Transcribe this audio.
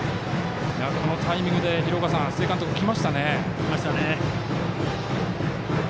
このタイミングで須江監督、きましたね。